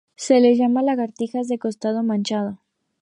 Se les llama lagartijas de costado manchado.